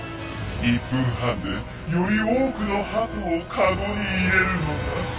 １分半でより多くの鳩をカゴに入れるのだ。